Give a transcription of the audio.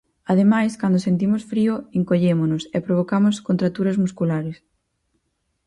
Ademais, cando sentimos frío encollémonos e provocamos contracturas musculares.